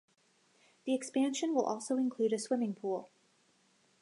The expansion will also include a swimming pool.